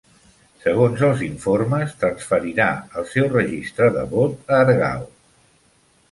Segons els informes, transferirà el seu registre de vot a Argao.